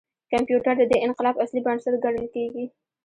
کمپیوټر د دې انقلاب اصلي بنسټ ګڼل کېږي.